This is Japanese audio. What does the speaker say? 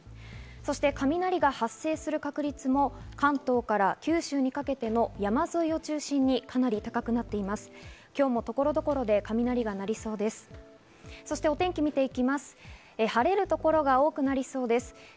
そして雷が発生する確率も関東から九州にかけての山沿いを中心にかなり高くなっています。